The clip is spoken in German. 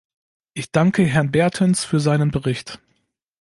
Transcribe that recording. Ich danke Herrn Bertens für seinen Bericht.